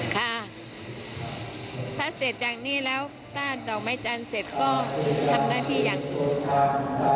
ค่ะถ้าเสร็จจากนี้แล้วต้านดอกไม้จันทร์เสร็จก็ทำหน้าที่อย่างถูกทาง